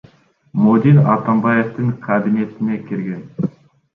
Модин Атамбаевдин кабинетине кирген.